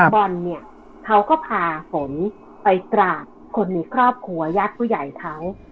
บอลเนี่ยเขาก็พาฝนไปกราบคนในครอบครัวญาติผู้ใหญ่เขา